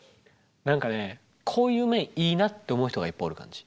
何かねこういう面いいなと思う人がいっぱいおる感じ。